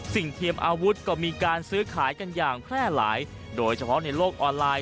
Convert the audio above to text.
สิ่งเทียมอาวุธก็มีการซื้อขายกันอย่างแพร่หลาย